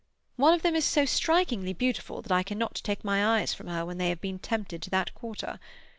One of them is so strikingly beautiful that I cannot take my eyes from her when they have been tempted to that quarter.